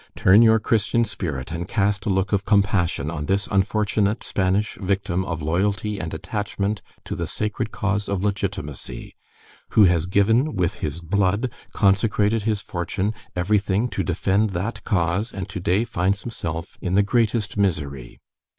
Turn your Christian spirit and cast a look of compassion on this unfortunate Spanish victim of loyalty and attachment to the sacred cause of legitimacy, who has given with his blood, consecrated his fortune, evverything, to defend that cause, and to day finds himself in the greatest missery.